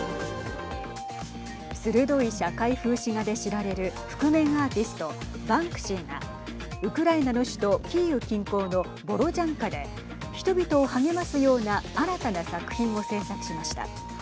鋭い社会風刺画で知られる覆面アーティストバンクシーがウクライナの州都キーウ近郊のボロジャンカで人々を励ますような新たな作品を制作しました。